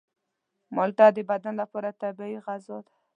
مالټه د بدن لپاره طبیعي غذا ده.